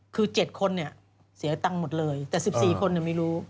คือ๗คนเนี่ยเสียตังค์หมดเลยแต่๑๔คนไม่รู้